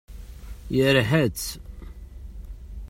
Yerḥa-tt.